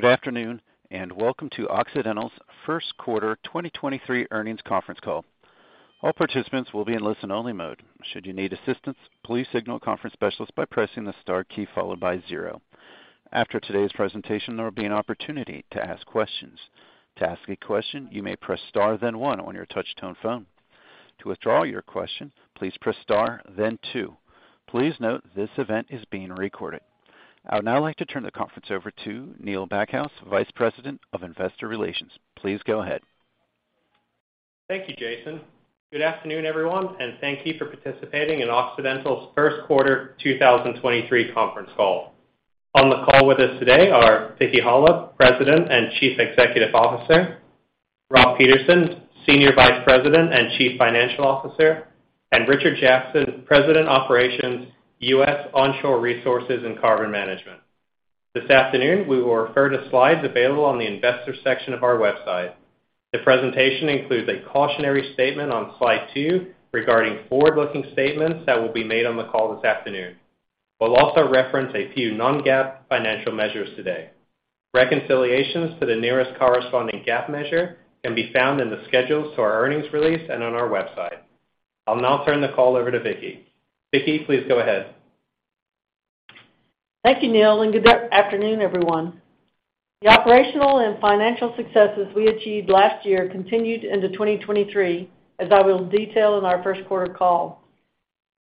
Good afternoon. Welcome to Occidental's Q1 2023 earnings conference call. All participants will be in listen-only mode. Should you need assistance, please signal a conference specialist by pressing the star key followed by 0. After today's presentation, there will be an opportunity to ask questions. To ask a question, you may press star, then 1 on your touch-tone phone. To withdraw your question, please press star then 2. Please note this event is being recorded. I would now like to turn the conference over to Neil Backhouse, Vice President of Investor Relations. Please go ahead. Thank you, Jason. Good afternoon, everyone, and thank you for participating in Occidental's Q1 2023 conference call. On the call with us today are Vicki Hollub, President and Chief Executive Officer, Rob Peterson, Senior Vice President and Chief Financial Officer, and Richard Jackson, President, Operations, U.S. Onshore Resources and Carbon Management. This afternoon, we will refer to slides available on the Investors section of our website. The presentation includes a cautionary statement on slide 2 regarding forward-looking statements that will be made on the call this afternoon. We'll also reference a few non-GAAP financial measures today. Reconciliations to the nearest corresponding GAAP measure can be found in the schedules to our earnings release and on our website. I'll now turn the call over to Vicki. Vicki, please go ahead. Thank you, Neil, Good afternoon, everyone. The operational and financial successes we achieved last year continued into 2023, as I will detail in our Q1 call.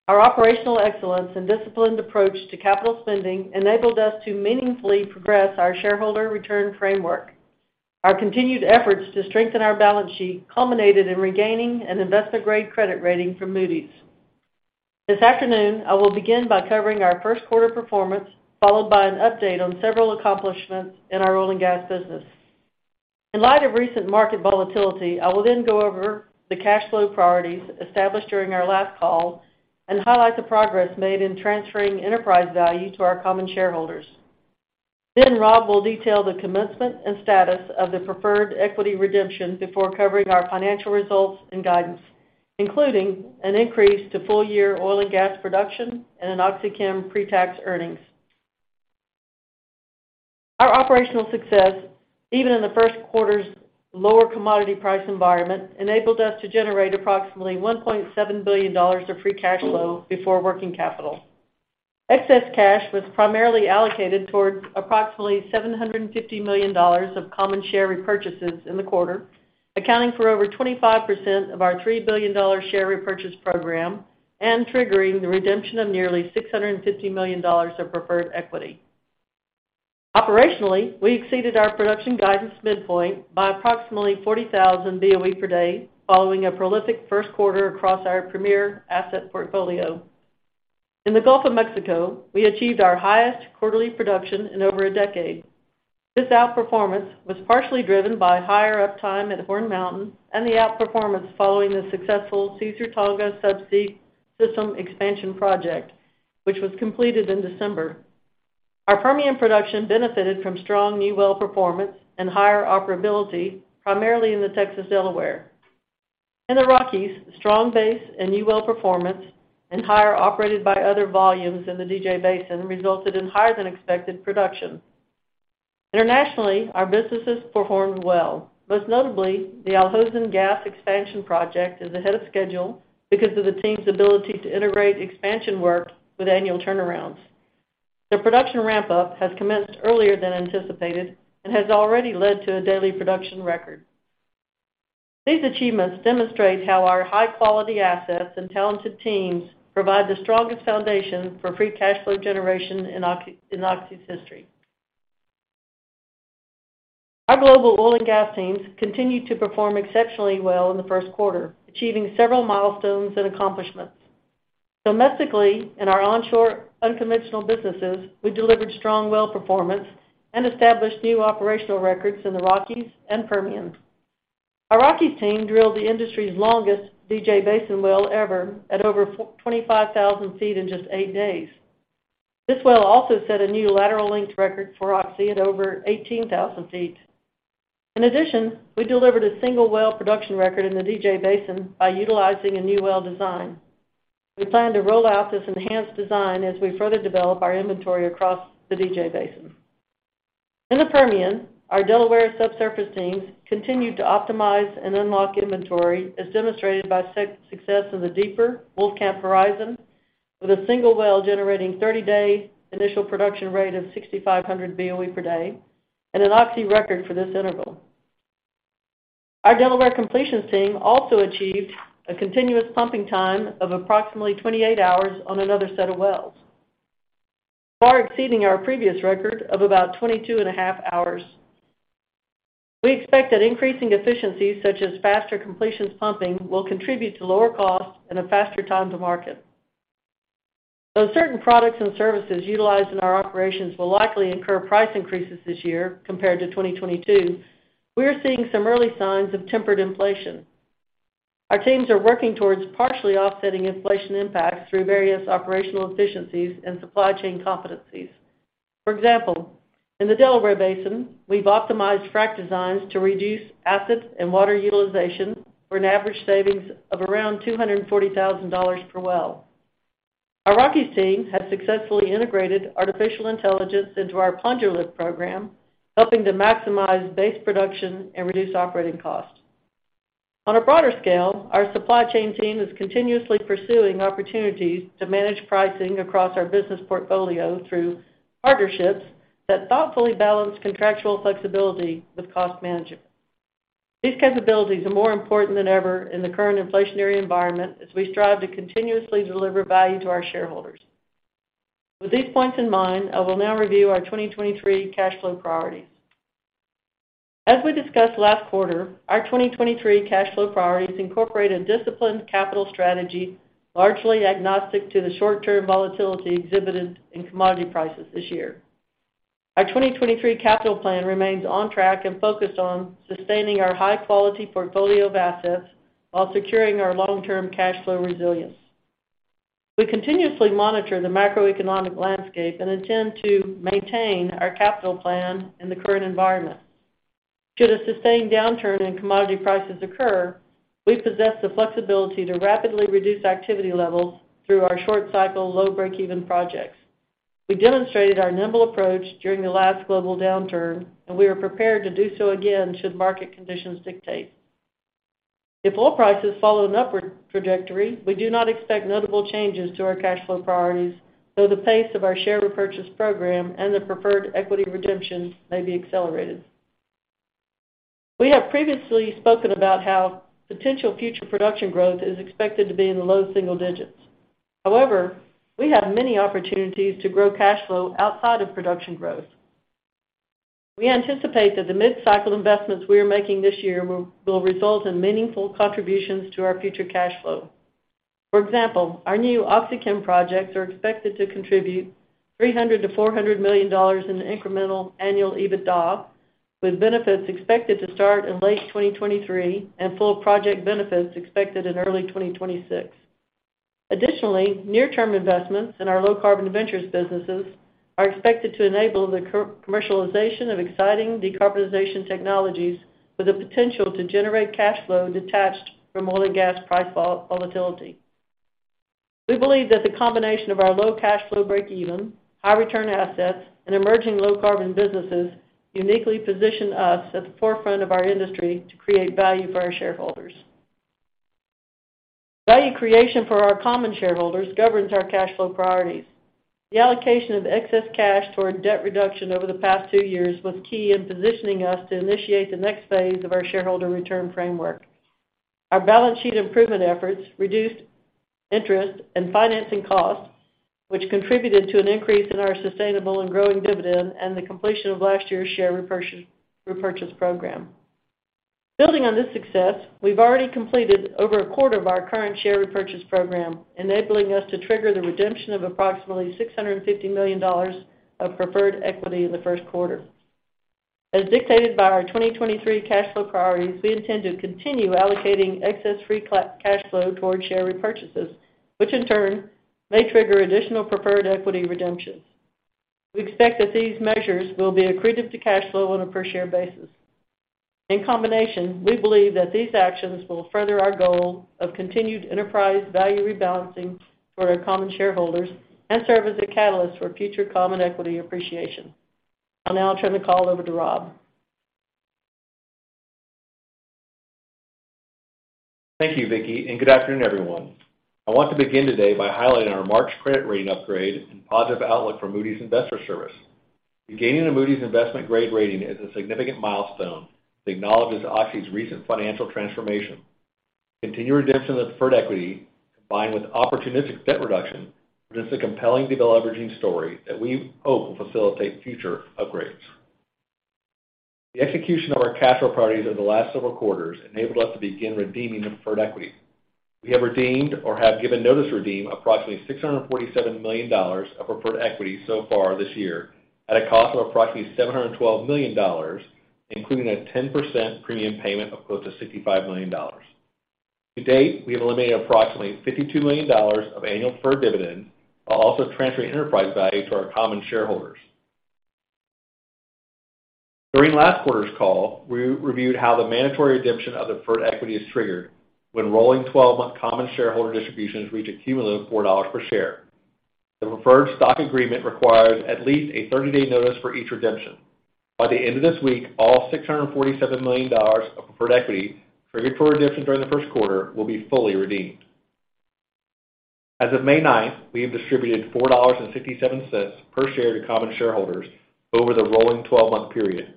Our operational excellence and disciplined approach to capital spending enabled us to meaningfully progress our shareholder return framework. Our continued efforts to strengthen our balance sheet culminated in regaining an investor-grade credit rating from Moody's. This afternoon, I will begin by covering our Q1 performance, followed by an update on several accomplishments in our oil and gas business. In light of recent market volatility, I will then go over the cash flow priorities established during our last call and highlight the progress made in transferring enterprise value to our common shareholders. Rob will detail the commencement and status of the preferred equity redemption before covering our financial results and guidance, including an increase to full-year oil and gas production and an OxyChem pretax earnings. Our operational success, even in the Q1's lower commodity price environment, enabled us to generate approximately $1.7 billion of free cash flow before working capital. Excess cash was primarily allocated towards approximately $750 million of common share repurchases in the quarter, accounting for over 25% of our $3 billion share repurchase program and triggering the redemption of nearly $650 million of preferred equity. Operationally, we exceeded our production guidance midpoint by approximately 40,000 BOE per day following a prolific Q1 across our premier asset portfolio. In the Gulf of Mexico, we achieved our highest quarterly production in over a decade. This outperformance was partially driven by higher uptime at Horn Mountain and the outperformance following the successful Caesar-Tonga subsea system expansion project, which was completed in December. Our Permian production benefited from strong new well performance and higher operability, primarily in the Texas Delaware. In the Rockies, strong base and new well performance and higher operated by other volumes in the DJ Basin resulted in higher than expected production. Internationally, our businesses performed well, most notably the Al Hosn gas expansion project is ahead of schedule because of the team's ability to integrate expansion work with annual turnarounds. The production ramp-up has commenced earlier than anticipated and has already led to a daily production record. These achievements demonstrate how our high-quality assets and talented teams provide the strongest foundation for free cash flow generation in Oxy's history. Our global oil and gas teams continued to perform exceptionally well in the Q1, achieving several milestones and accomplishments. Domestically, in our onshore unconventional businesses, we delivered strong well performance and established new operational records in the Rockies and Permian. Our Rockies team drilled the industry's longest DJ Basin well ever at over 25,000 feet in just 8 days. This well also set a new lateral length record for Oxy at over 18,000 feet. In addition, we delivered a single well production record in the DJ Basin by utilizing a new well design. We plan to roll out this enhanced design as we further develop our inventory across the DJ Basin. In the Permian, our Delaware subsurface teams continued to optimize and unlock inventory, as demonstrated by success in the deeper Wolfcamp horizon, with a single well generating 30-day initial production rate of 6,500 BOE per day and an Oxy record for this interval. Our Delaware completions team also achieved a continuous pumping time of approximately 28 hours on another set of wells, far exceeding our previous record of about 22 and a half hours. We expect that increasing efficiencies, such as faster completions pumping, will contribute to lower costs and a faster time to market. Though certain products and services utilized in our operations will likely incur price increases this year compared to 2022, we are seeing some early signs of tempered inflation. Our teams are working towards partially offsetting inflation impacts through various operational efficiencies and supply chain competencies. For example, in the Delaware Basin, we've optimized frack designs to reduce acid and water utilization for an average savings of around $240,000 per well. Our Rockies team has successfully integrated artificial intelligence into our plunger lift program, helping to maximize base production and reduce operating costs. On a broader scale, our supply chain team is continuously pursuing opportunities to manage pricing across our business portfolio through partnerships that thoughtfully balance contractual flexibility with cost management. These capabilities are more important than ever in the current inflationary environment as we strive to continuously deliver value to our shareholders. With these points in mind, I will now review our 2023 cash flow priorities. As we discussed last quarter, our 2023 cash flow priorities incorporate a disciplined capital strategy, largely agnostic to the short-term volatility exhibited in commodity prices this year. Our 2023 capital plan remains on track and focused on sustaining our high-quality portfolio of assets while securing our long-term cash flow resilience. We continuously monitor the macroeconomic landscape and intend to maintain our capital plan in the current environment. Should a sustained downturn in commodity prices occur, we possess the flexibility to rapidly reduce activity levels through our short cycle, low break-even projects. We demonstrated our nimble approach during the last global downturn, and we are prepared to do so again should market conditions dictate. If oil prices follow an upward trajectory, we do not expect notable changes to our cash flow priorities, though the pace of our share repurchase program and the preferred equity redemptions may be accelerated. We have previously spoken about how potential future production growth is expected to be in the low single digits. We have many opportunities to grow cash flow outside of production growth. We anticipate that the mid-cycle investments we are making this year will result in meaningful contributions to our future cash flow. For example, our new OxyChem projects are expected to contribute $300 million-$400 million in incremental annual EBITDA, with benefits expected to start in late 2023 and full project benefits expected in early 2026. Additionally, near-term investments in our low carbon ventures businesses are expected to enable the commercialization of exciting decarbonization technologies with the potential to generate cash flow detached from oil and gas price volatility. We believe that the combination of our low cash flow break even, high return assets, and emerging low-carbon businesses uniquely position us at the forefront of our industry to create value for our shareholders. Value creation for our common shareholders governs our cash flow priorities. The allocation of excess cash toward debt reduction over the past 2 years was key in positioning us to initiate the next phase of our shareholder return framework. Our balance sheet improvement efforts reduced interest and financing costs, which contributed to an increase in our sustainable and growing dividend and the completion of last year's share repurchase program. Building on this success, we've already completed over a quarter of our current share repurchase program, enabling us to trigger the redemption of approximately $650 million of preferred equity in the Q1. As dictated by our 2023 cash flow priorities, we intend to continue allocating excess free cash flow towards share repurchases, which in turn may trigger additional preferred equity redemptions. We expect that these measures will be accretive to cash flow on a per share basis. In combination, we believe that these actions will further our goal of continued enterprise value rebalancing for our common shareholders and serve as a catalyst for future common equity appreciation. I'll now turn the call over to Rob. Thank you, Vicki, and good afternoon, everyone. I want to begin today by highlighting our March credit rating upgrade and positive outlook for Moody's Investors Service. Regaining a Moody's investment grade rating is a significant milestone to acknowledge Oxy's recent financial transformation. Continued redemption of preferred equity combined with opportunistic debt reduction presents a compelling de-leveraging story that we hope will facilitate future upgrades. The execution of our cash flow priorities over the last several quarters enabled us to begin redeeming the preferred equity. We have redeemed or have given notice to redeem approximately $647 million of preferred equity so far this year at a cost of approximately $712 million, including a 10% premium payment of close to $65 million. To date, we have eliminated approximately $52 million of annual preferred dividend, while also transferring enterprise value to our common shareholders. During last quarter's call, we reviewed how the mandatory redemption of the preferred equity is triggered when rolling 12-month common shareholder distributions reach a cumulative $4 per share. The preferred stock agreement requires at least a 30-day notice for each redemption. By the end of this week, all $647 million of preferred equity triggered for redemption during the Q1 will be fully redeemed. As of May 9th, we have distributed $4.57 per share to common shareholders over the rolling 12-month period.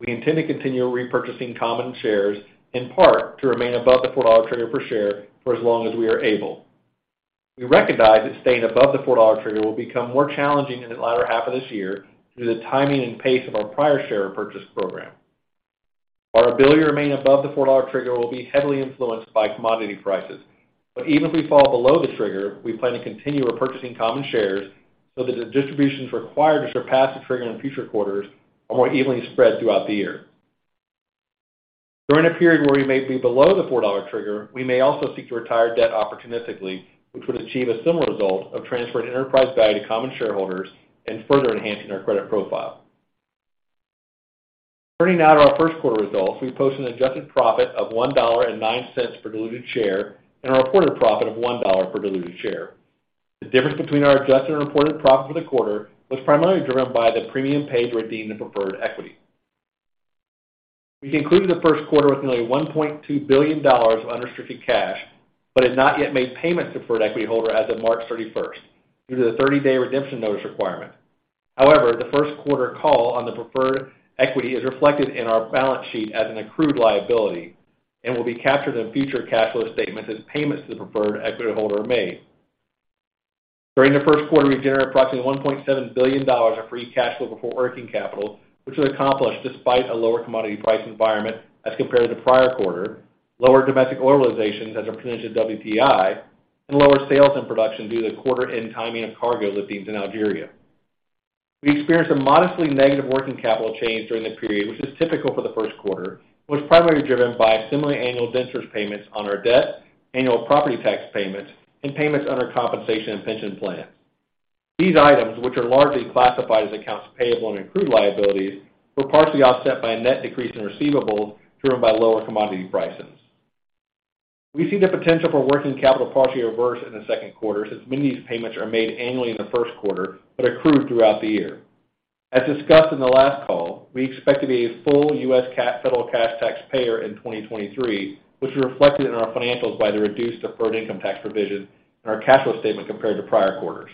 We intend to continue repurchasing common shares, in part, to remain above the $4 trigger per share for as long as we are able. We recognize that staying above the $4 trigger will become more challenging in the latter half of this year due to the timing and pace of our prior share repurchase program. Our ability to remain above the $4 trigger will be heavily influenced by commodity prices. Even if we fall below the trigger, we plan to continue repurchasing common shares so that the distributions required to surpass the trigger in future quarters are more evenly spread throughout the year. During a period where we may be below the $4 trigger, we may also seek to retire debt opportunistically, which would achieve a similar result of transferring enterprise value to common shareholders and further enhancing our credit profile. Turning now to our Q1 results, we posted an adjusted profit of $1.09 per diluted share and a reported profit of $1 per diluted share. The difference between our adjusted and reported profit for the quarter was primarily driven by the premium paid to redeem the preferred equity. We concluded the Q1 with nearly $1.2 billion of unrestricted cash, but had not yet made payments to preferred equity holder as of March 31st due to the 30-day redemption notice requirement. The Q1 call on the preferred equity is reflected in our balance sheet as an accrued liability and will be captured in future cash flow statements as payments to the preferred equity holder are made. During the Q1, we generated approximately $1.7 billion of free cash flow before working capital, which was accomplished despite a lower commodity price environment as compared to the prior quarter, lower domestic oil realizations as a percentage of WTI, and lower sales and production due to the quarter end timing of cargo liftings in Algeria. We experienced a modestly negative working capital change during the period, which is typical for the Q1, and was primarily driven by similar annual interest payments on our debt, annual property tax payments, and payments under compensation and pension plan. These items, which are largely classified as accounts payable and accrued liabilities, were partially offset by a net decrease in receivables driven by lower commodity prices. We see the potential for working capital partially reverse in the Q2 since many of these payments are made annually in the Q1 but accrue throughout the year. Discussed in the last call, we expect to be a full U.S. federal cash tax payer in 2023, which is reflected in our financials by the reduced deferred income tax provision in our cash flow statement compared to prior quarters.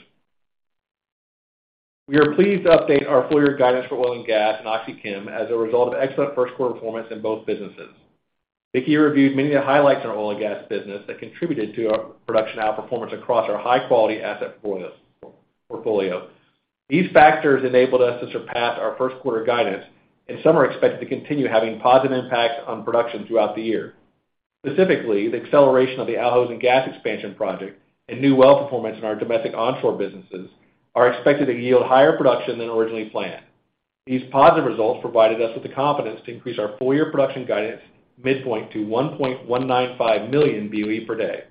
We are pleased to update our full-year guidance for oil and gas and OxyChem as a result of excellent Q1 performance in both businesses. Vicki reviewed many of the highlights in our oil and gas business that contributed to our production outperformance across our high-quality asset portfolio. These factors enabled us to surpass our Q1 guidance. Some are expected to continue having positive impacts on production throughout the year. Specifically, the acceleration of the Al Hosn Gas expansion project and new well performance in our domestic onshore businesses are expected to yield higher production than originally planned. These positive results provided us with the confidence to increase our full-year production guidance midpoint to 1.195 million BOE per day.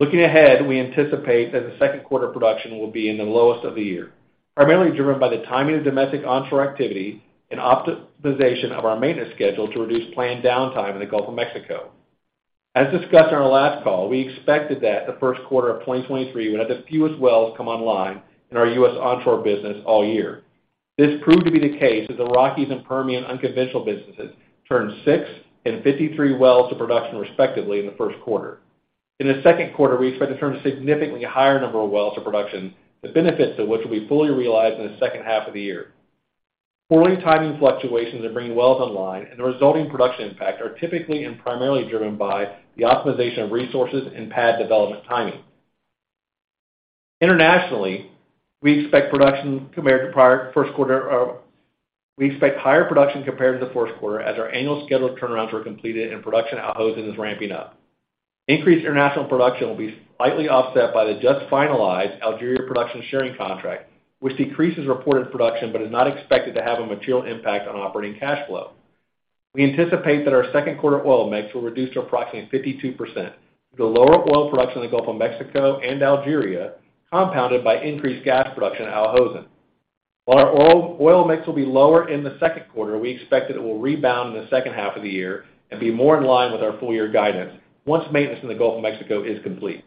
Looking ahead, we anticipate that the Q2 production will be in the lowest of the year, primarily driven by the timing of domestic onshore activity and optimization of our maintenance schedule to reduce planned downtime in the Gulf of Mexico. As discussed on our last call, we expected that the Q1 of 2023 would have the fewest wells come online in our U.S. onshore business all year. This proved to be the case as the Rockies and Permian unconventional businesses turned 6 and 53 wells to production respectively in the 1st quarter. In the 2nd quarter, we expect to turn a significantly higher number of wells to production, the benefits of which will be fully realized in the 2nd half of the year. Drilling timing fluctuations are bringing wells online, and the resulting production impact are typically and primarily driven by the optimization of resources and pad development timing. Internationally, we expect production compared to prior 1st quarter, we expect higher production compared to the 1st quarter as our annual scheduled turnarounds were completed and production at Al Hosn is ramping up. Increased international production will be slightly offset by the just finalized Algeria production sharing contract, which decreases reported production but is not expected to have a material impact on operating cash flow. We anticipate that our Q2 oil mix will reduce to approximately 52%, with the lower oil production in the Gulf of Mexico and Algeria compounded by increased gas production at Al Hosn. While our oil mix will be lower in the Q2, we expect that it will rebound in the second half of the year and be more in line with our full year guidance once maintenance in the Gulf of Mexico is complete.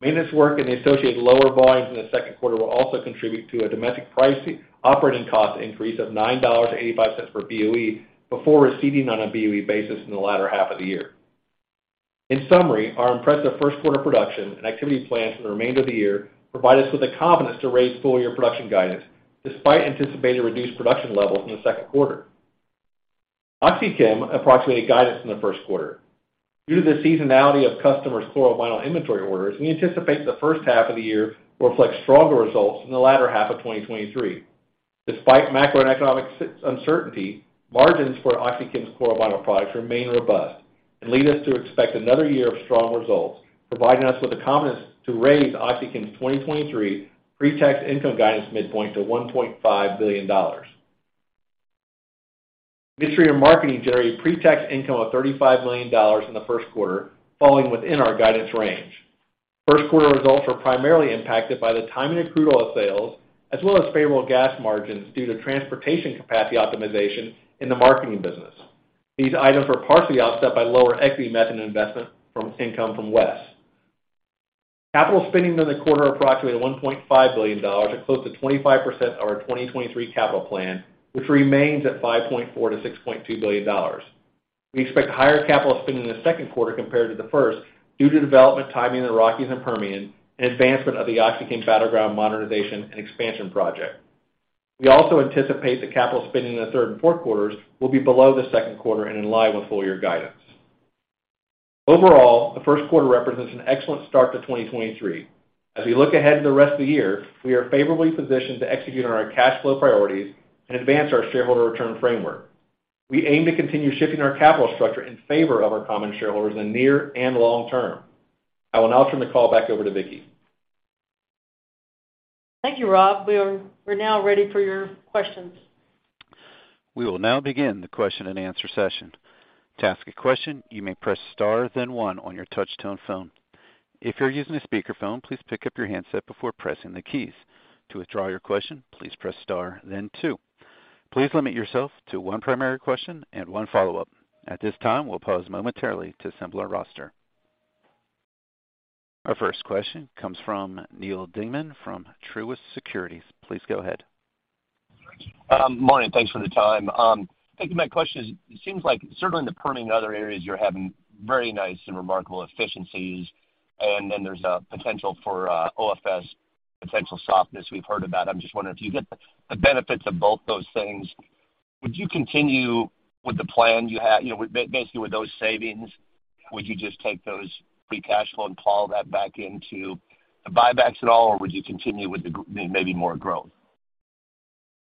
Maintenance work and the associated lower volumes in the Q2 will also contribute to a domestic operating cost increase of $9.85 per BOE before receding on a BOE basis in the latter half of the year. In summary, our impressive Q1 production and activity plans for the remainder of the year provide us with the confidence to raise full-year production guidance despite anticipated reduced production levels in the Q2. OxyChem approximated guidance in the Q1. Due to the seasonality of customers' chlorovinyl inventory orders, we anticipate the first half of the year will reflect stronger results in the latter half of 2023. Despite macroeconomic uncertainty, margins for OxyChem's chlorovinyl products remain robust and lead us to expect another year of strong results, providing us with the confidence to raise OxyChem's 2023 pre-tax income guidance midpoint to $1.5 billion. Industry and marketing generated pre-tax income of $35 million in the Q1, falling within our guidance range. Q1 results were primarily impacted by the timing of crude oil sales as well as favorable gas margins due to transportation capacity optimization in the marketing business. These items were partially offset by lower equity method investment from income from WES. Capital spending in the quarter approximated $1.5 billion at close to 25% of our 2023 capital plan, which remains at $5.4 billion-$6.2 billion. We expect higher capital spending in the Q2 compared to the first due to development timing in the Rockies and Permian and advancement of the OxyChem Battleground modernization and expansion project. We also anticipate the capital spending in the third and Q4s will be below the Q2 and in line with full-year guidance. Overall, the Q1 represents an excellent start to 2023. As we look ahead to the rest of the year, we are favorably positioned to execute on our cash flow priorities and advance our shareholder return framework. We aim to continue shifting our capital structure in favor of our common shareholders in the near and long term. I will now turn the call back over to Vicki. Thank you, Rob. We're now ready for your questions. We will now begin the question and answer session. To ask a question, you may press star then 1 on your touch-tone phone. If you're using a speakerphone, please pick up your handset before pressing the keys. To withdraw your question, please press star then 2. Please limit yourself to one primary question and one follow-up. At this time, we'll pause momentarily to assemble our roster. Our first question comes from Neal Dingmann from Truist Securities. Please go ahead. Morning, thanks for the time. I think my question is, it seems like certainly in the Permian and other areas, you're having very nice and remarkable efficiencies, and then there's a potential for OFS potential softness we've heard about. I'm just wondering if you get the benefits of both those things, would you continue with the plan you had? You know, basically, with those savings, would you just take those free cash flow and plow that back into the buybacks at all, or would you continue with maybe more growth?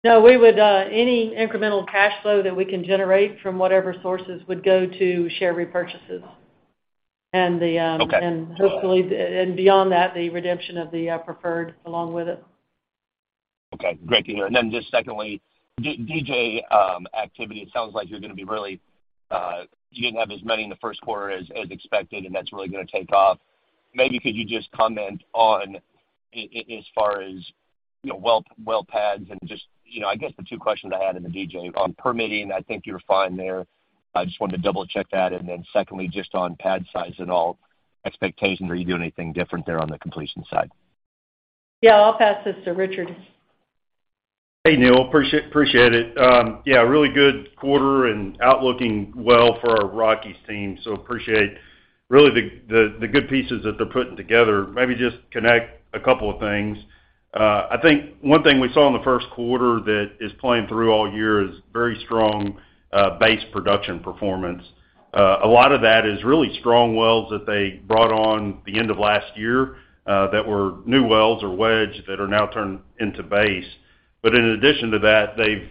No, we would, any incremental cash flow that we can generate from whatever sources would go to share repurchases. Okay. The and hopefully, beyond that, the redemption of the preferred along with it. Okay. Great to hear. Just secondly, DJ, activity. It sounds like you're gonna be really, you didn't have as many in the Q1 as expected, and that's really gonna take off. Maybe could you just comment on as far as, you know, well pads and just, you know, I guess the two questions I had in the DJ? On permitting, I think you're fine there. I just wanted to double-check that. Secondly, just on pad size and all expectations. Are you doing anything different there on the completion side? Yeah, I'll pass this to Richard. Hey, Neil. Appreciate it. Yeah, really good quarter and outlooking well for our Rockies team, appreciate really the good pieces that they're putting together. Maybe just connect a couple of things. I think one thing we saw in the Q1 that is playing through all year is very strong base production performance. A lot of that is really strong wells that they brought on the end of last year that were new wells or wedge that are now turned into base. In addition to that, they've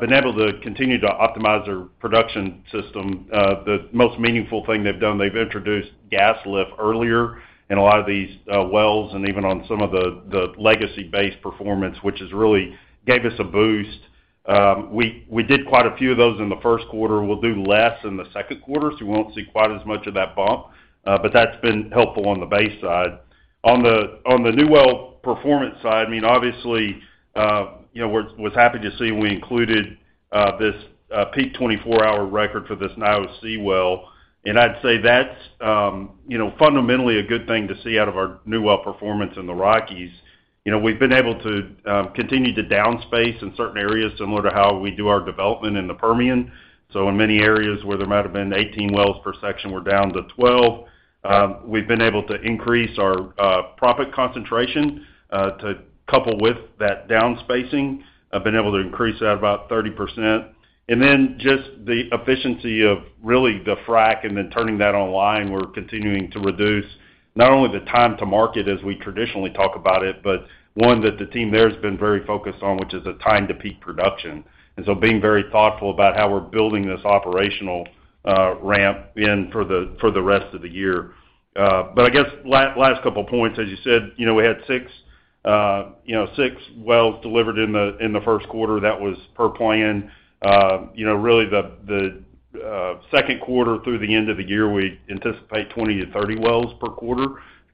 been able to continue to optimize their production system. The most meaningful thing they've done, they've introduced gas lift earlier in a lot of these wells and even on some of the legacy base performance, which has really gave us a boost. We did quite a few of those in the Q1. We'll do less in the Q2, so you won't see quite as much of that bump, but that's been helpful on the base side. On the new well performance side, I mean, obviously, you know, was happy to see we included this peak 24-hour record for this NIOC well. I'd say that's, you know, fundamentally a good thing to see out of our new well performance in the Rockies. You know, we've been able to continue to down space in certain areas similar to how we do our development in the Permian. In many areas where there might have been 18 wells per section, we're down to 12. We've been able to increase our profit concentration to couple with that down spacing. I've been able to increase that about 30%. Just the efficiency of really the frack and then turning that online, we're continuing to reduce not only the time to market as we traditionally talk about it, but one that the team there has been very focused on, which is a time to peak production. Being very thoughtful about how we're building this operational ramp in for the rest of the year. I guess last couple points, as you said, we had 6 wells delivered in the Q1. That was per plan. Really the Q2 through the end of the year, we anticipate 20-30 wells per quarter,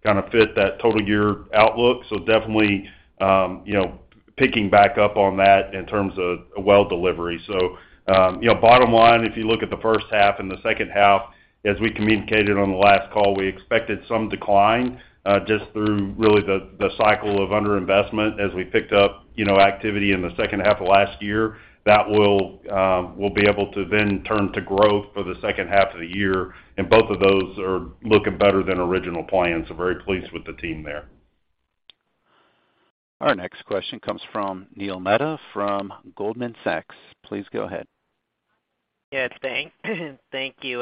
kinda fit that total year outlook. Definitely, you know, picking back up on that in terms of well delivery. You know, bottom line, if you look at the first half and the second half, as we communicated on the last call, we expected some decline just through really the cycle of under-investment as we picked up, you know, activity in the second half of last year. That will, we'll be able to then turn to growth for the second half of the year. Both of those are looking better than original plans, so very pleased with the team there. Our next question comes from Neil Mehta from Goldman Sachs. Please go ahead. Yeah, thank you.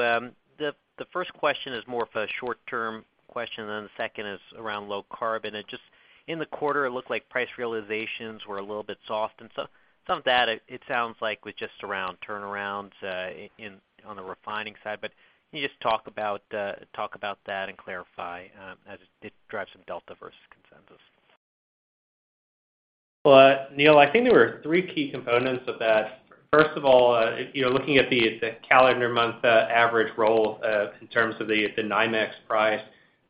The first question is more of a short-term question, then the second is around low carbon. Just in the quarter, it looked like price realizations were a little bit soft. So some of that, it sounds like was just around turnarounds, in, on the refining side. Can you just talk about that and clarify, as it drives some delta versus consensus? Well, Neal, I think there were 3 key components of that. First of all, you know, looking at the calendar month average roll in terms of the NYMEX price,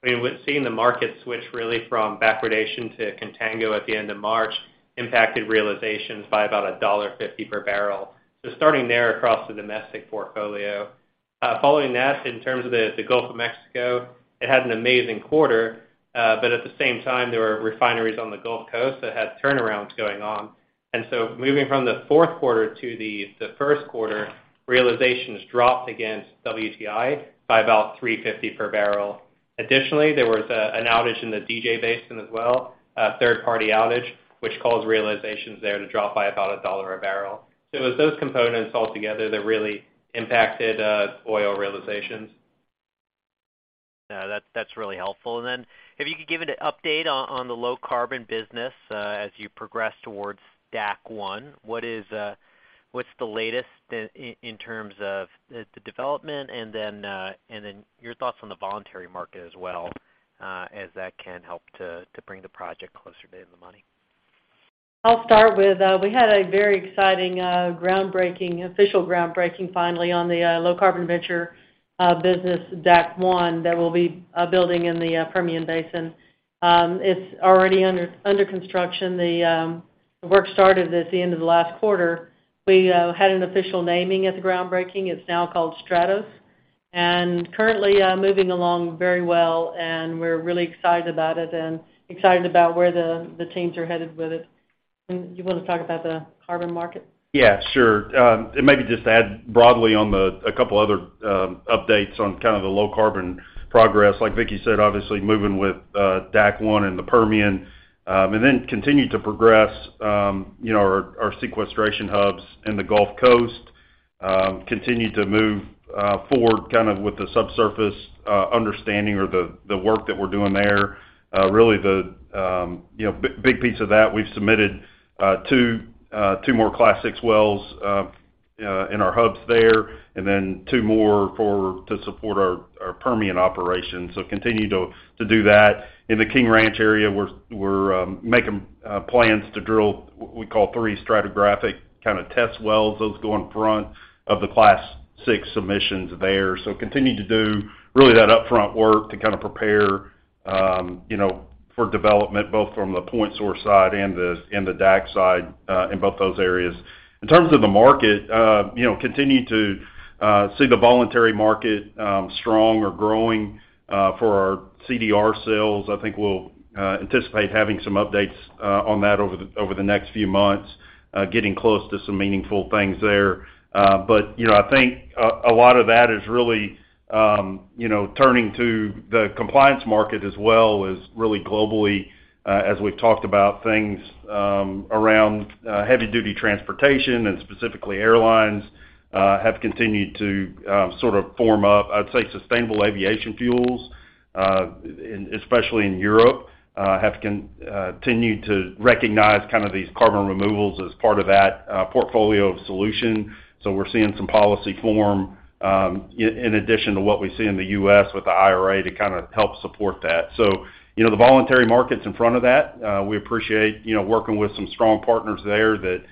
I mean, with seeing the market switch really from backwardation to contango at the end of March impacted realizations by about $1.50 per barrel. Starting there across the domestic portfolio. Following that, in terms of the Gulf of Mexico, it had an amazing quarter. At the same time, there were refineries on the Gulf Coast that had turnarounds going on. Moving from the Q4 to the Q1, realizations dropped against WTI by about $3.50 per barrel. Additionally, there was an outage in the DJ Basin as well, a third-party outage, which caused realizations there to drop by about $1 a barrel. It was those components all together that really impacted, oil realizations. Yeah, that's really helpful. If you could give an update on the low carbon business, as you progress towards DAC 1, what is, what's the latest in terms of the development, and then your thoughts on the voluntary market as well, as that can help to bring the project closer to the money? I'll start with, we had a very exciting, official groundbreaking, finally, on the Low Carbon Venture business, DAC 1, that we'll be building in the Permian Basin. It's already under construction. The work started at the end of the last quarter. We had an official naming at the groundbreaking. It's now called STRATOS. Currently, moving along very well, and we're really excited about it and excited about where the teams are headed with it. You wanna talk about the carbon market? Yeah, sure. Maybe just add broadly on a couple other updates on kind of the low carbon progress. Like Vicki said, obviously moving with DAC 1 in the Permian, and then continue to progress, you know, our sequestration hubs in the Gulf Coast. Continue to move forward kind of with the subsurface understanding or the work that we're doing there. Really the, you know, big piece of that, we've submitted 2 more Class VI wells in our hubs there and then 2 more to support our Permian operations. Continue to do that. In the King Ranch area, we're making plans to drill we call 3 stratigraphic kind of test wells. Those go in front of the Class VI submissions there. Continue to do really that upfront work to kind of prepare, you know, for development, both from the point source side and the DAC side in both those areas. In terms of the market, you know, continue to see the voluntary market strong or growing for our CDR sales. I think we'll anticipate having some updates on that over the next few months, getting close to some meaningful things there. You know, I think a lot of that is really, you know, turning to the compliance market as well as really globally, as we've talked about things around heavy duty transportation and specifically airlines have continued to sort of form up. I'd say sustainable aviation fuels, especially in Europe, have continued to recognize kind of these carbon removals as part of that portfolio solution. We're seeing some policy form in addition to what we see in the U.S. with the IRA to kind of help support that. You know, the voluntary market's in front of that. We appreciate, you know, working with some strong partners there that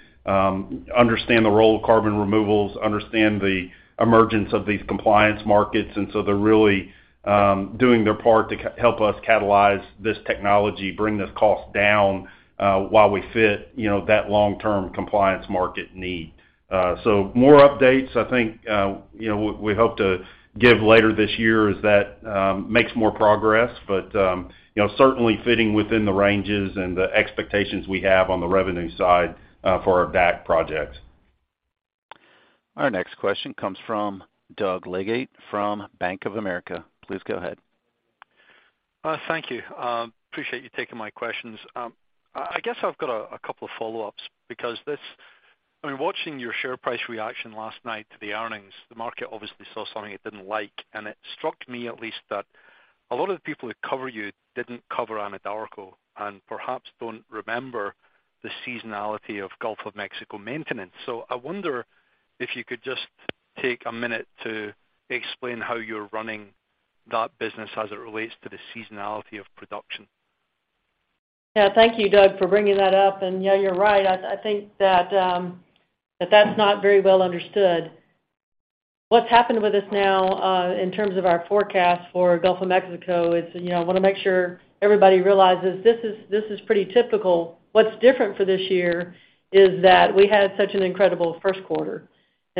understand the role of carbon removals, understand the emergence of these compliance markets, they're really doing their part to help us catalyze this technology, bring those costs down while we fit, you know, that long-term compliance market need. More updates, I think, you know, we hope to give later this year as that makes more progress, but, you know, certainly fitting within the ranges and the expectations we have on the revenue side, for our DAC projects. Our next question comes from Doug Leggate from Bank of America. Please go ahead. Thank you. Appreciate you taking my questions. I guess I've got a couple of follow-ups. I mean, watching your share price reaction last night to the earnings, the market obviously saw something it didn't like, and it struck me at least that a lot of the people that cover you didn't cover Anadarko and perhaps don't remember the seasonality of Gulf of Mexico maintenance. I wonder if you could just take a minute to explain how you're running that business as it relates to the seasonality of production. Yeah. Thank you, Doug, for bringing that up. Yeah, you're right. I think that that's not very well understood. What's happened with us now, in terms of our forecast for Gulf of Mexico is, you know, I wanna make sure everybody realizes this is, this is pretty typical. What's different for this year is that we had such an incredible Q1.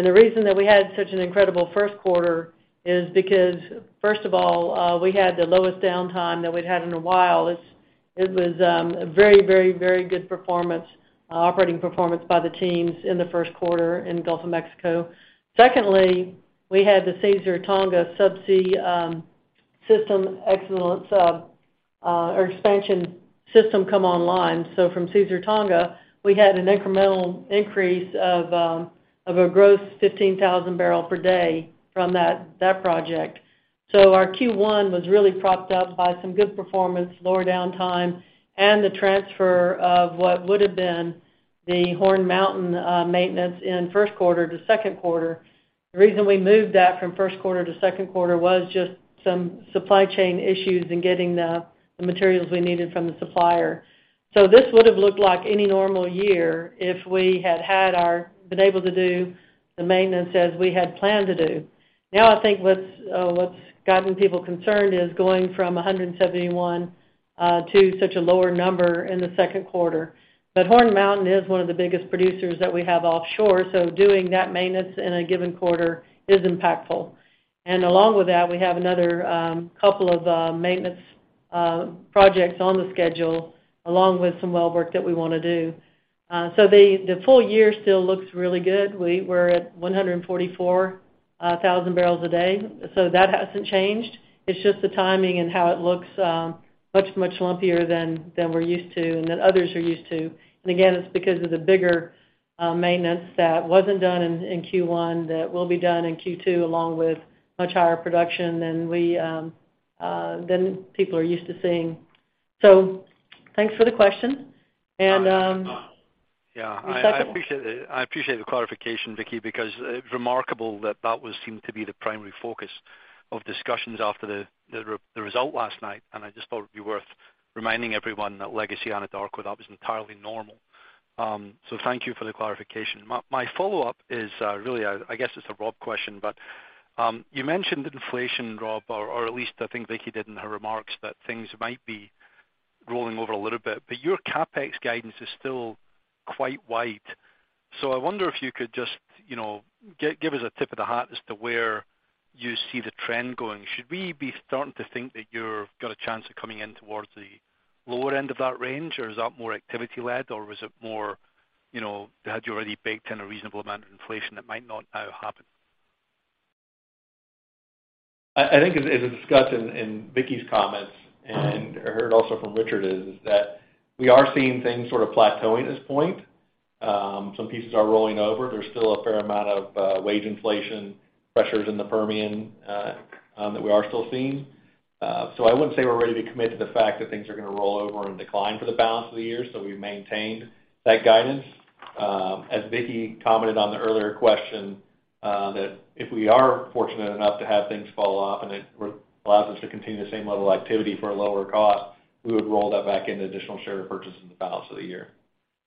The reason that we had such an incredible Q1 is because, first of all, we had the lowest downtime that we'd had in a while. It was a very, very, very good performance, operating performance by the teams in the Q1 in Gulf of Mexico. Secondly, we had the Caesar Tonga subsea system excellence, or expansion system come online. From Caesar Tonga, we had an incremental increase of a gross 15,000 barrel per day from that project. Our Q1 was really propped up by some good performance, lower downtime, and the transfer of what would have been the Horn Mountain maintenance in Q1 to Q2. The reason we moved that from Q1 to Q2 was just some supply chain issues in getting the materials we needed from the supplier. This would have looked like any normal year if we had been able to do the maintenance as we had planned to do. Now I think what's gotten people concerned is going from 171 to such a lower number in the Q2. Horn Mountain is one of the biggest producers that we have offshore, so doing that maintenance in a given quarter is impactful. Along with that, we have another couple of maintenance projects on the schedule along with some well work that we wanna do. The full year still looks really good. We're at 144 thousand barrels a day, so that hasn't changed. It's just the timing and how it looks much lumpier than we're used to and than others are used to. Again, it's because of the bigger maintenance that wasn't done in Q1 that will be done in Q2, along with much higher production than we than people are used to seeing. Thanks for the question. Yeah, I appreciate the, I appreciate the clarification, Vicki, because it's remarkable that that would seem to be the primary focus of discussions after the re-the result last night, and I just thought it'd be worth reminding everyone that legacy Anadarko, that was entirely normal. Thank you for the clarification. My, my follow-up is really, I guess it's a Rob question, but you mentioned inflation, Rob, or at least I think Vicki did in her remarks, that things might be rolling over a little bit. Your CapEx guidance is still quite wide. I wonder if you could just, you know, give us a tip of the hat as to where you see the trend going. Should we be starting to think that you've got a chance of coming in towards the lower end of that range, or is that more activity-led, or is it more, you know, had you already baked in a reasonable amount of inflation that might not now happen? I think as discussed in Vicki's comments, and heard also from Richard, is that we are seeing things sort of plateauing at this point. Some pieces are rolling over. There's still a fair amount of wage inflation pressures in the Permian that we are still seeing. I wouldn't say we're ready to commit to the fact that things are gonna roll over and decline for the balance of the year. We've maintained that guidance. As Vicki commented on the earlier question, that if we are fortunate enough to have things fall off and it re-allows us to continue the same level of activity for a lower cost, we would roll that back into additional share purchases in the balance of the year.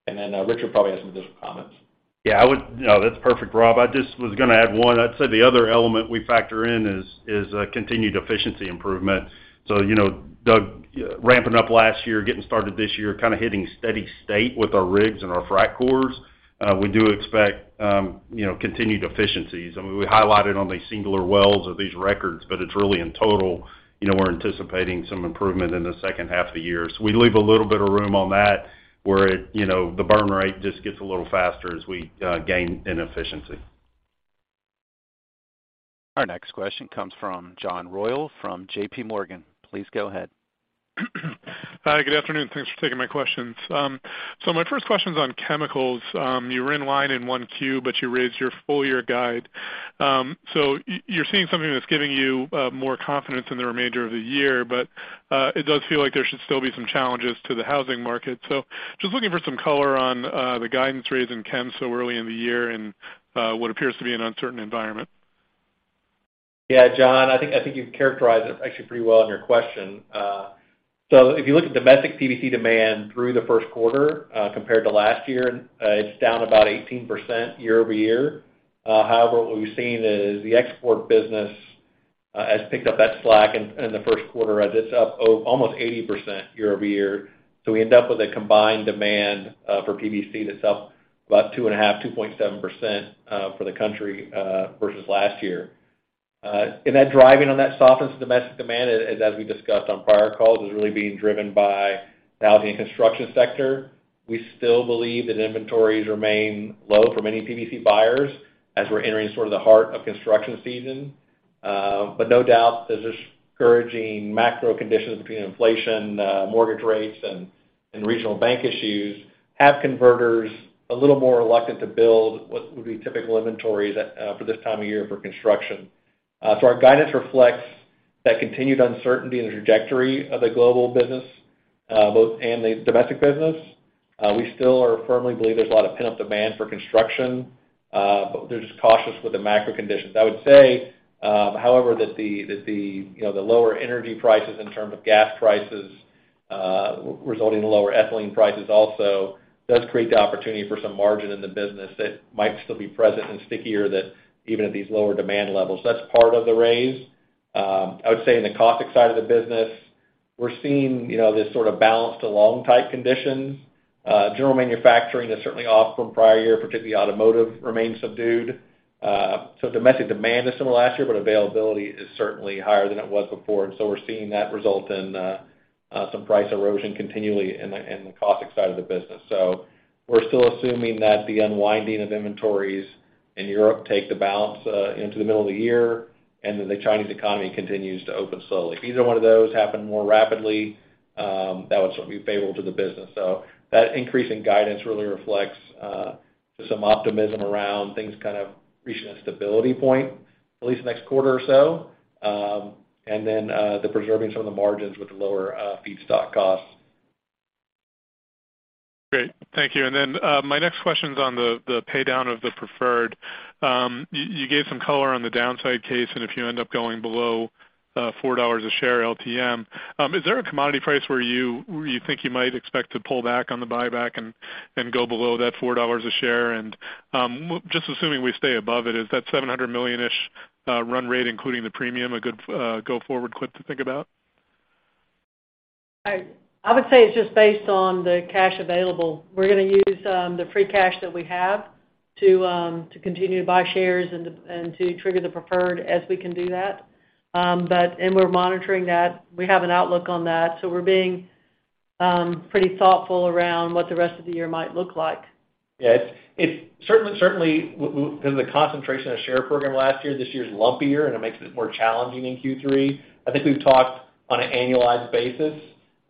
Richard probably has some additional comments. Yeah, I would. No, that's perfect, Rob. I just was going to add 1. I'd say the other element we factor in is continued efficiency improvement. You know, Doug, ramping up last year, getting started this year, kind of hitting steady state with our rigs and our frac cores, we do expect, you know, continued efficiencies. I mean, we highlighted on these singular wells of these records, but it's really in total, you know, we're anticipating some improvement in the second half of the year. We leave a little bit of room on that where it, you know, the burn rate just gets a little faster as we gain in efficiency. Our next question comes from John Royall from JPMorgan. Please go ahead. Hi, good afternoon. Thanks for taking my questions. My first question's on chemicals. You were in line in 1Q, but you raised your full-year guide. You're seeing something that's giving you more confidence in the remainder of the year. It does feel like there should still be some challenges to the housing market. Just looking for some color on the guidance raised in chem so early in the year and what appears to be an uncertain environment. Yeah, John, I think, I think you've characterized it actually pretty well in your question. If you look at domestic PVC demand through the Q1, compared to last year, it's down about 18% year-over-year. However, what we've seen is the export business has picked up that slack in the Q1 as it's up almost 80% year-over-year. We end up with a combined demand for PVC that's up about 2.5%, 2.7% for the country versus last year. That driving on that softness of domestic demand, as we discussed on prior calls, is really being driven by the housing and construction sector. We still believe that inventories remain low for many PVC buyers as we're entering sort of the heart of construction season. No doubt, the discouraging macro conditions between inflation, mortgage rates, and regional bank issues have converters a little more reluctant to build what would be typical inventories for this time of year for construction. Our guidance reflects that continued uncertainty in the trajectory of the global business, and the domestic business. We still are firmly believe there's a lot of pent-up demand for construction, but they're just cautious with the macro conditions. I would say, however, that the, you know, the lower energy prices in terms of gas prices, resulting in lower ethylene prices also does create the opportunity for some margin in the business that might still be present and stickier that even at these lower demand levels. That's part of the raise. I would say in the caustic side of the business, we're seeing, you know, this sort of balanced along tight conditions. General manufacturing is certainly off from prior year, particularly automotive remains subdued. Domestic demand is similar to last year, but availability is certainly higher than it was before. We're seeing that result in some price erosion continually in the caustic side of the business. We're still assuming that the unwinding of inventories in Europe take the balance into the middle of the year, and that the Chinese economy continues to open slowly. If either one of those happen more rapidly, that would certainly be favorable to the business. That increase in guidance really reflects some optimism around things kind of reaching a stability point, at least the next quarter or so, and then, the preserving some of the margins with lower feedstock costs. Great. Thank you. Then, my next question's on the pay down of the preferred. You gave some color on the downside case, and if you end up going below $4 a share LTM. Is there a commodity price where you think you might expect to pull back on the buyback and go below that $4 a share? Just assuming we stay above it, is that $700 million-ish run rate, including the premium, a good go forward clip to think about? I would say it's just based on the cash available. We're gonna use the free cash that we have to continue to buy shares and to trigger the preferred as we can do that. We're monitoring that. We have an outlook on that, so we're being pretty thoughtful around what the rest of the year might look like. Yeah, it's certainly with the concentration of share program last year, this year's lumpier, and it makes it more challenging in Q3. I think we've talked on an annualized basis.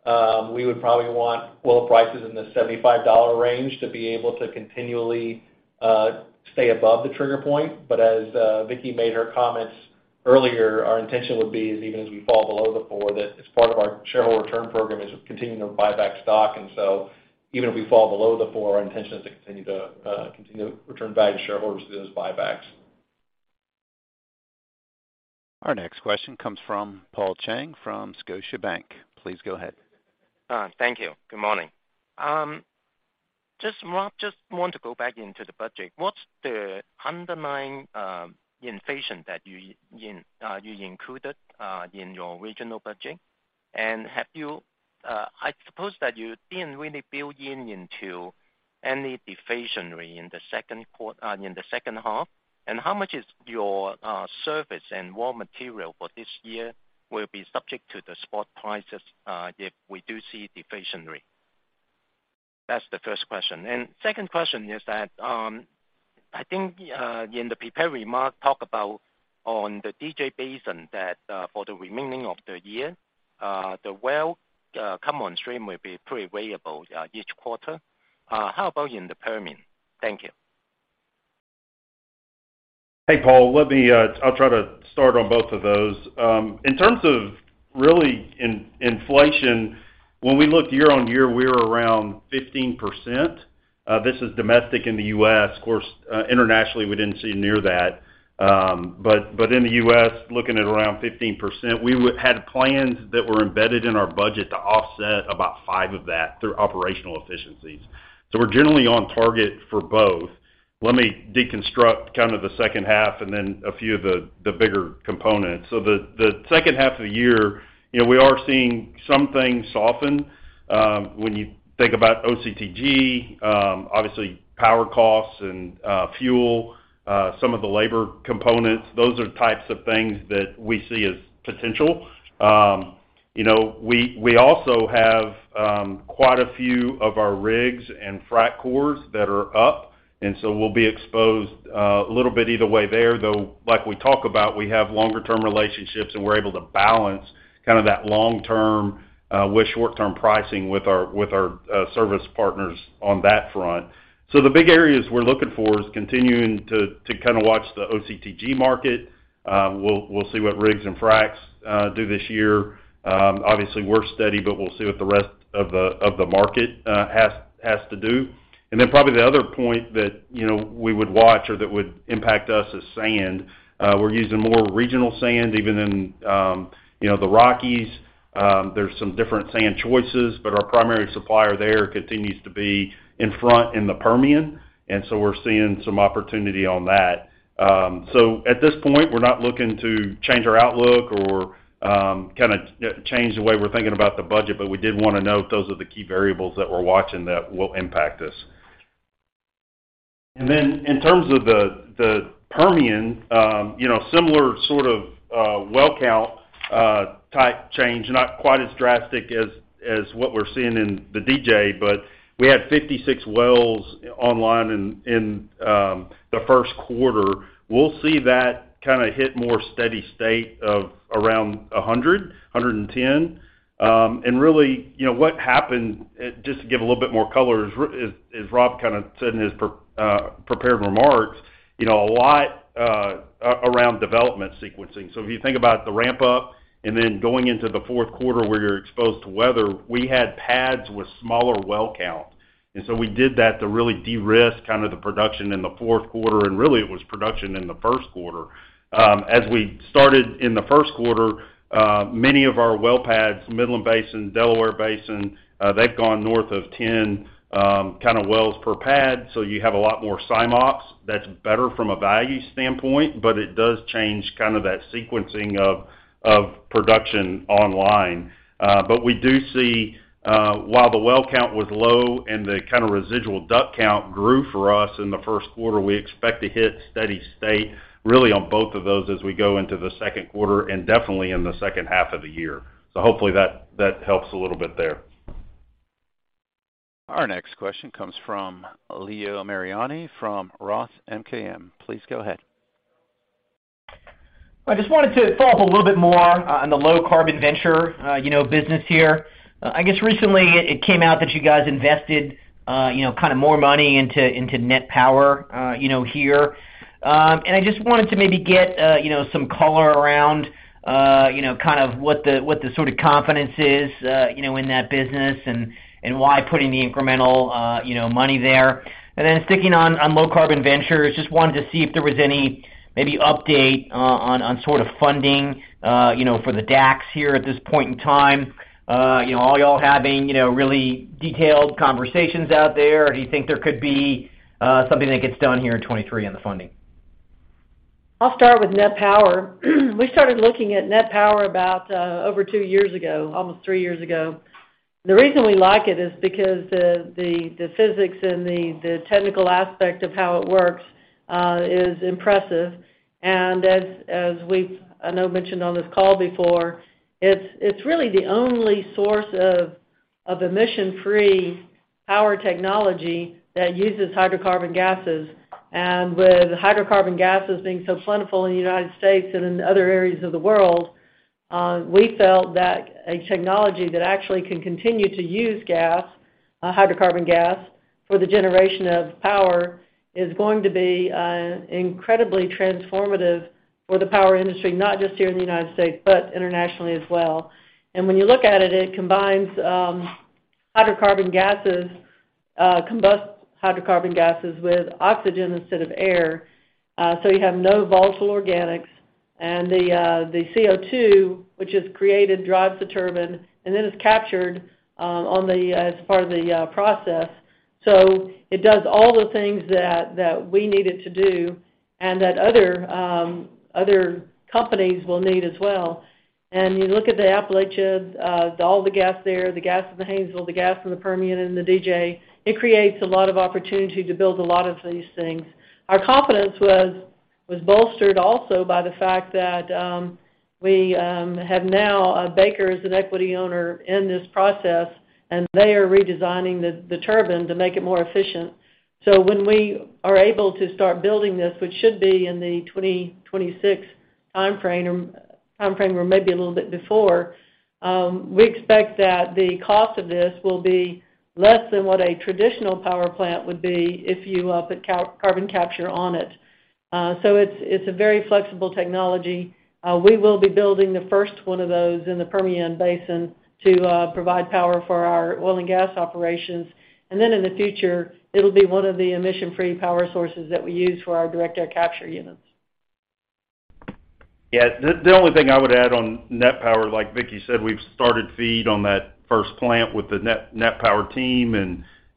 We would probably want oil prices in the $75 range to be able to continually stay above the trigger point. As Vicki made her comments Earlier, our intention would be is even as we fall below the four, that as part of our shareholder return program is continuing to buy back stock. Even if we fall below the four, our intention is to continue to return value to shareholders through those buybacks. Our next question comes from Paul Cheng from Scotiabank. Please go ahead. Thank you. Good morning. Just Rob, just want to go back into the budget. What's the underlying inflation that you included in your regional budget? Have you. I suppose that you didn't really build into any deflationary in the second half. How much is your service and raw material for this year will be subject to the spot prices, if we do see deflationary? That's the first question. Second question is that, I think, in the prepared remarks, talk about on the DJ Basin that for the remaining of the year, the well, come on stream will be pretty variable each quarter. How about in the Permian? Thank you. Hey, Paul. Let me, I'll try to start on both of those. In terms of really in-inflation, when we look year-on-year, we're around 15%. This is domestic in the U.S. Of course, internationally, we didn't see near that. But in the U.S., looking at around 15%, we had plans that were embedded in our budget to offset about five of that through operational efficiencies. We're generally on target for both. Let me deconstruct kind of the second half and then a few of the bigger components. The second half of the year, you know, we are seeing some things soften. When you think about OCTG, obviously power costs and fuel, some of the labor components, those are types of things that we see as potential. You know, we also have quite a few of our rigs and frac cores that are up. We'll be exposed a little bit either way there, though, like we talk about, we have longer term relationships and we're able to balance kind of that long term with short-term pricing with our service partners on that front. The big areas we're looking for is continuing to kind of watch the OCTG market. We'll see what rigs and fracs do this year. Obviously we're steady, but we'll see what the rest of the market has to do. Probably the other point that, you know, we would watch or that would impact us is sand. We're using more regional sand, even in, you know, the Rockies. There's some different sand choices, but our primary supplier there continues to be in front in the Permian, and so we're seeing some opportunity on that. At this point, we're not looking to change our outlook or kinda change the way we're thinking about the budget, but we did wanna note those are the key variables that we're watching that will impact us. In terms of the Permian, you know, similar sort of well count type change, not quite as drastic as what we're seeing in the DJ, but we had 56 wells online in the Q1. We'll see that kinda hit more steady state of around 100, 110. Really, you know, what happened, just to give a little bit more color, as Rob kinda said in his prepared remarks, you know, a lot around development sequencing. If you think about the ramp up and then going into the Q4 where you're exposed to weather, we had pads with smaller well count. We did that to really de-risk kind of the production in the Q4, and really it was production in the Q1. As we started in the Q1, many of our well pads, Midland Basin, Delaware Basin, they've gone north of 10 kinda wells per pad, so you have a lot more SIMOPS. That's better from a value standpoint, but it does change kind of that sequencing of production online. We do see, while the well count was low and the kinda residual DUC count grew for us in the Q1, we expect to hit steady state really on both of those as we go into the Q2 and definitely in the second half of the year. Hopefully that helps a little bit there. Our next question comes from Leo Mariani from Roth MKM. Please go ahead. I just wanted to follow up a little bit more on the low carbon venture, you know, business here. I guess recently it came out that you guys invested, you know, kinda more money into NET Power, you know, here. I just wanted to maybe get, you know, some color around, you know, kind of what the, what the sort of confidence is, you know, in that business and why putting the incremental, you know, money there. Sticking on low carbon ventures, just wanted to see if there was any maybe update on sort of funding, you know, for the DACs here at this point in time. Are y'all having, you know, really detailed conversations out there? Do you think there could be something that gets done here in 2023 on the funding? I'll start with Net Power. We started looking at Net Power about over 2 years ago, almost 3 years ago. The reason we like it is because the physics and the technical aspect of how it works is impressive. As we've, I know, mentioned on this call before, it's really the only source of emission-free power technology that uses hydrocarbon gases. With hydrocarbon gases being so plentiful in the United States and in other areas of the world, we felt that a technology that actually can continue to use gas, hydrocarbon gas for the generation of power is going to be incredibly transformative for the power industry, not just here in the United States, but internationally as well. When you look at it combines hydrocarbon gases, combusts hydrocarbon gases with oxygen instead of air. You have no volatile organics. The CO2, which is created, drives the turbine, and then it's captured as part of the process. It does all the things that we need it to do and that other companies will need as well. You look at the Appalachians, all the gas there, the gas in the Haynesville, the gas in the Permian and the DJ, it creates a lot of opportunity to build a lot of these things. Our confidence was bolstered also by the fact that we have now Baker as an equity owner in this process, and they are redesigning the turbine to make it more efficient. When we are able to start building this, which should be in the 2026 timeframe or maybe a little bit before, we expect that the cost of this will be less than what a traditional power plant would be if you put carbon capture on it. It's a very flexible technology. We will be building the first one of those in the Permian Basin to provide power for our oil and gas operations. In the future, it'll be one of the emission-free power sources that we use for our direct air capture units. The only thing I would add on Net Power, like Vicki said, we've started FEED on that first plant with the Net Power team.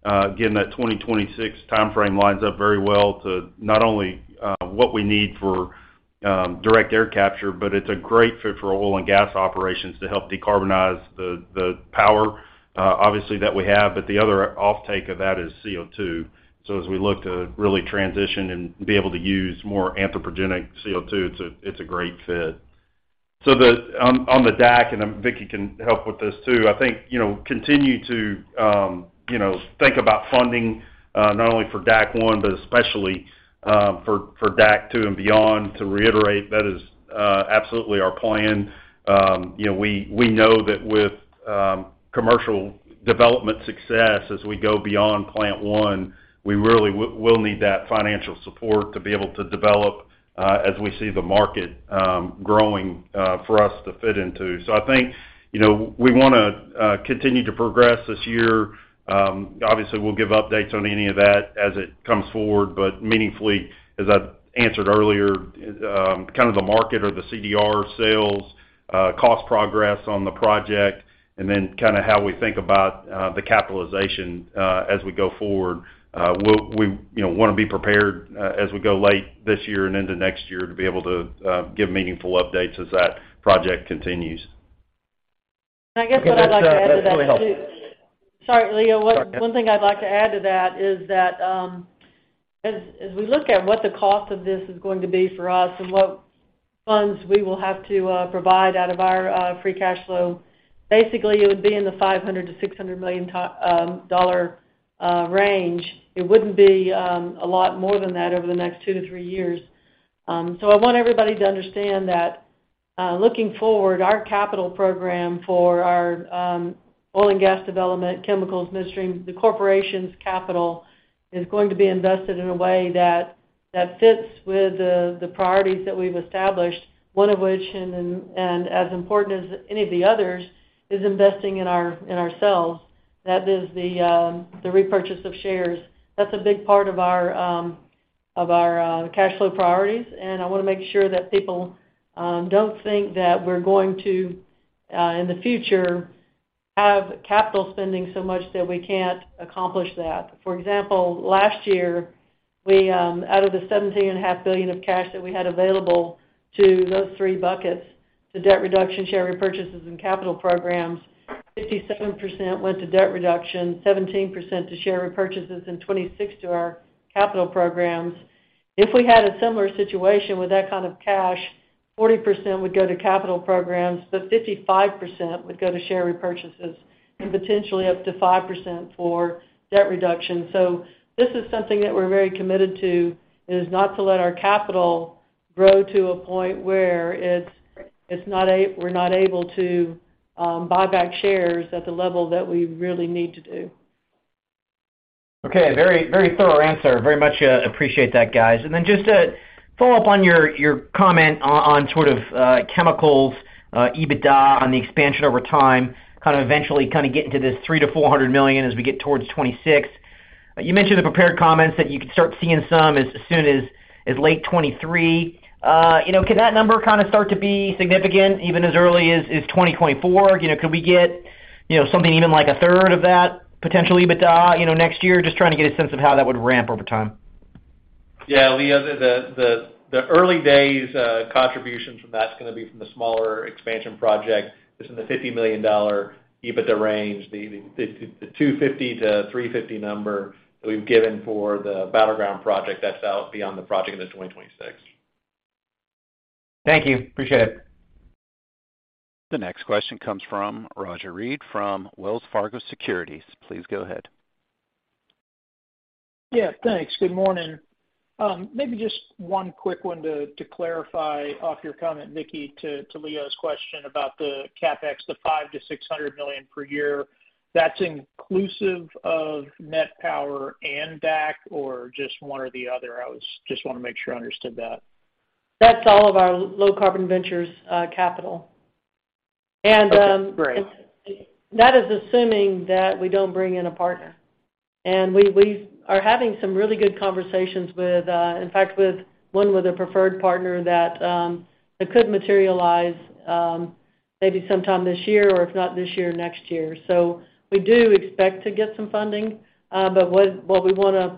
Again, that 2026 timeframe lines up very well to not only what we need for direct air capture, but it's a great fit for oil and gas operations to help decarbonize the power obviously that we have. The other offtake of that is CO2. As we look to really transition and be able to use more anthropogenic CO2, it's a great fit. On the DAC, and then Vicki can help with this too, I think, you know, continue to, you know, think about funding not only for DAC 1, but especially for DAC 2 and beyond. To reiterate, that is absolutely our plan. You know, we know that with commercial development success as we go beyond plant 1, we really will need that financial support to be able to develop as we see the market growing for us to fit into. I think, you know, we want to continue to progress this year. Obviously, we'll give updates on any of that as it comes forward. Meaningfully, as I answered earlier, kind of the market or the CDR sales, cost progress on the project, and then kind of how we think about the capitalization as we go forward. We, you know, want to be prepared as we go late this year and into next year to be able to give meaningful updates as that project continues. I guess what I'd like to add to that too. Okay. That's, that's really helpful. Sorry, Leo. Sorry. One thing I'd like to add to that is that, as we look at what the cost of this is going to be for us and what funds we will have to provide out of our free cash flow, basically it would be in the $500 million-$600 million dollar range. It wouldn't be a lot more than that over the next 2-3 years. I want everybody to understand that, looking forward, our capital program for our oil and gas development, chemicals, midstream, the corporation's capital is going to be invested in a way that fits with the priorities that we've established. One of which, and as important as any of the others, is investing in ourselves. That is the repurchase of shares. That's a big part of our of our cash flow priorities, and I wanna make sure that people don't think that we're going to in the future have capital spending so much that we can't accomplish that. For example, last year, we out of the $17.5 billion of cash that we had available to those three buckets, to debt reduction, share repurchases, and capital programs, 57% went to debt reduction, 17% to share repurchases, and 26% to our capital programs. If we had a similar situation with that kind of cash, 40% would go to capital programs, but 55% would go to share repurchases and potentially up to 5% for debt reduction. This is something that we're very committed to, is not to let our capital grow to a point where it's not able to buy back shares at the level that we really need to do. Okay. Very, very thorough answer. Very much appreciate that, guys. Then just to follow up on your comment on sort of chemicals EBITDA on the expansion over time, kind of eventually kinda getting to this $300 million-$400 million as we get towards 2026. You mentioned in the prepared comments that you could start seeing some as soon as late 2023. You know, can that number kinda start to be significant even as early as 2024? You know, could we get, you know, something even like a third of that potentially EBITDA, you know, next year? Just trying to get a sense of how that would ramp over time. Yeah. Leo, the early days contributions from that's gonna be from the smaller expansion project. It's in the $50 million EBITDA range, the 250-350 number that we've given for the Battleground project that's out beyond the project in 2026. Thank you. Appreciate it. The next question comes from Roger Read from Wells Fargo Securities. Please go ahead. Yeah, thanks. Good morning. Maybe just one quick one to clarify off your comment, Vicki, to Leo's question about the CapEx, the $500 million-$600 million per year. That's inclusive of NET Power and DAC or just one or the other? Just wanna make sure I understood that. That's all of our low carbon ventures, capital. Okay, great. That is assuming that we don't bring in a partner. We are having some really good conversations with, in fact, with one with a preferred partner that could materialize maybe sometime this year, or if not this year, next year. We do expect to get some funding. What we wanna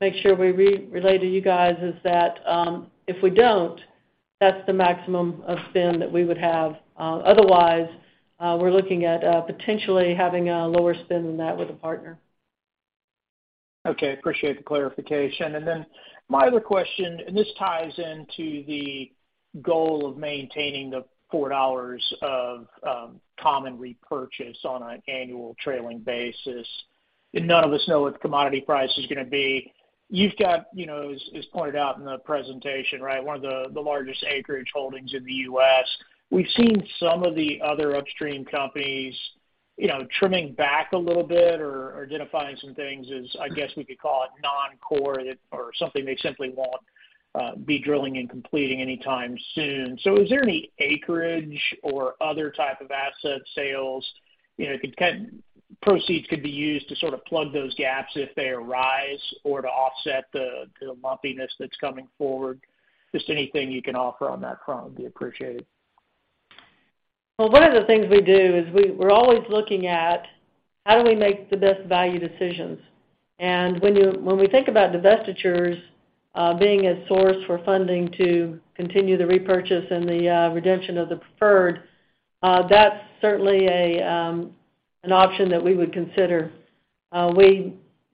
make sure we re-relay to you guys is that if we don't, that's the maximum of spend that we would have. Otherwise, we're looking at potentially having a lower spend than that with a partner. Okay. Appreciate the clarification. My other question, and this ties into the goal of maintaining the $4 of common repurchase on an annual trailing basis. None of us know what the commodity price is gonna be. You've got, you know, as pointed out in the presentation, right, one of the largest acreage holdings in the U.S. We've seen some of the other upstream companies, you know, trimming back a little bit or identifying some things as, I guess, we could call it non-core or something they simply won't be drilling and completing anytime soon. Is there any acreage or other type of asset sales, you know, proceeds could be used to sort of plug those gaps if they arise or to offset the lumpiness that's coming forward? Just anything you can offer on that front would be appreciated. Well, one of the things we do is we're always looking at how do we make the best value decisions. When we think about divestitures, being a source for funding to continue the repurchase and the redemption of the preferred, that's certainly an option that we would consider.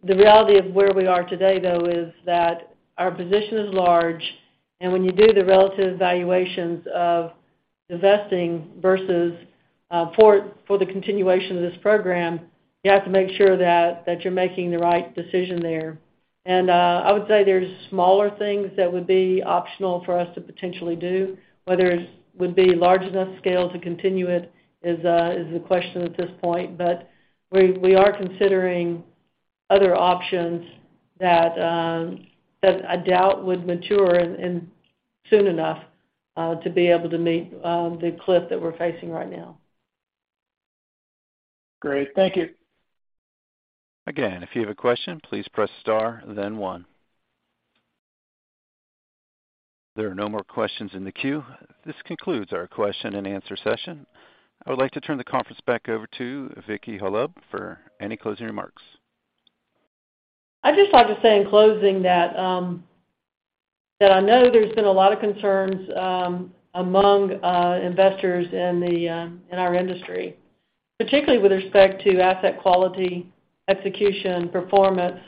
The reality of where we are today, though, is that our position is large. When you do the relative valuations of divesting versus for the continuation of this program, you have to make sure that you're making the right decision there. I would say there's smaller things that would be optional for us to potentially do. Whether it would be large enough scale to continue it is the question at this point. We are considering other options that I doubt would mature soon enough to be able to meet the cliff that we're facing right now. Great. Thank you. Again, if you have a question, please press star then one. There are no more questions in the queue. This concludes our question and answer session. I would like to turn the conference back over to Vicki Hollub for any closing remarks. I'd just like to say in closing that I know there's been a lot of concerns among investors in our industry, particularly with respect to asset quality, execution, performance.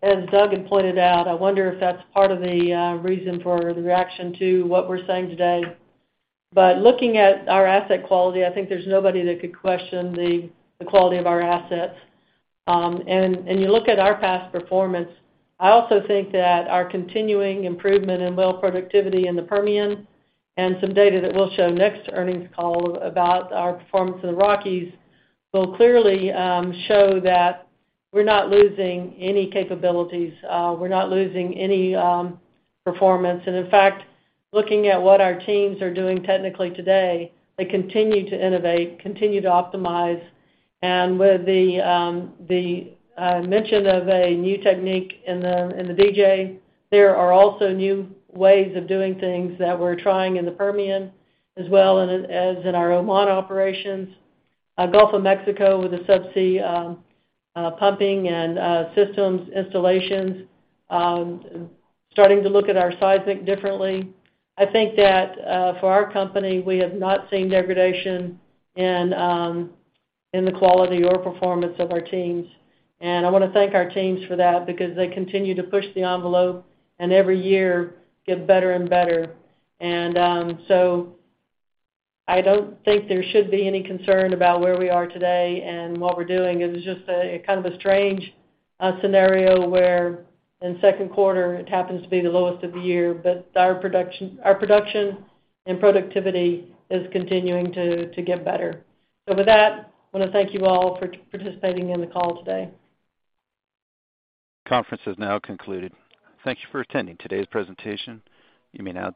As Doug had pointed out, I wonder if that's part of the reason for the reaction to what we're saying today. Looking at our asset quality, I think there's nobody that could question the quality of our assets. And you look at our past performance, I also think that our continuing improvement in well productivity in the Permian and some data that we'll show next earnings call about our performance in the Rockies will clearly show that we're not losing any capabilities, we're not losing any performance. In fact, looking at what our teams are doing technically today, they continue to innovate, continue to optimize. With the mention of a new technique in the DJ, there are also new ways of doing things that we're trying in the Permian as well as in our Oman operations. Gulf of Mexico with the subsea pumping and systems installations, starting to look at our seismic differently. I think that for our company, we have not seen degradation in the quality or performance of our teams. I wanna thank our teams for that because they continue to push the envelope and every year get better and better. I don't think there should be any concern about where we are today and what we're doing. It's just a, kind of a strange, scenario where in Q2 it happens to be the lowest of the year. Our production and productivity is continuing to get better. With that, I wanna thank you all for participating in the call today. Conference is now concluded. Thank you for attending today's presentation. You may now.